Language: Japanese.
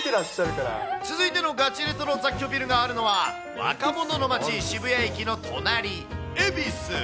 続いてのガチレトロ雑居ビルがあるのは、若者の街、渋谷駅の隣、恵比寿。